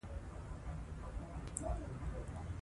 که خویندې درس ووایي نو فکر به یې تنګ نه وي.